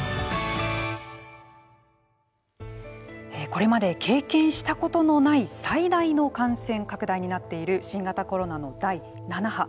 これまで経験したことのない最大の感染拡大になっている新型コロナの第７波。